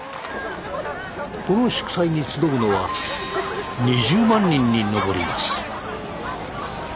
この祝祭に集うのは２０万人に上ります。